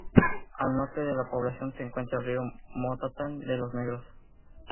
Al norte de la población se encuentra el río Motatán de los Negros.